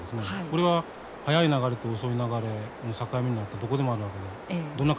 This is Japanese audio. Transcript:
これは速い流れと遅い流れの境目にだったらどこでもあるわけでどんな海峡でもあるわけです。